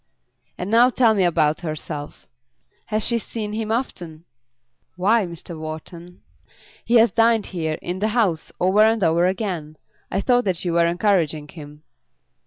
"And now tell me about herself. Has she seen him often?" "Why, Mr. Wharton, he has dined here, in the house, over and over again. I thought that you were encouraging him."